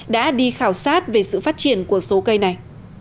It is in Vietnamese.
đã đi khảo sát về sự phát triển của số cây này